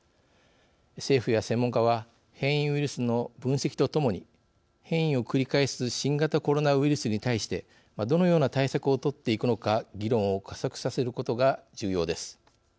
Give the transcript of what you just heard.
政府や専門家は変異ウイルスの分析とともに変異を繰り返す新型コロナウイルスに対してどのような対策をとっていくのか議論を加速させることが重要です。